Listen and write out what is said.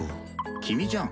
君じゃん。